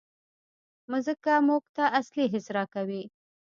مځکه موږ ته اصلي حس راکوي.